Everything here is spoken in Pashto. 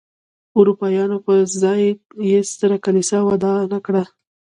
اروپایانو پر ځای یې ستره کلیسا ودانه کړه.